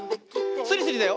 スリスリだよ。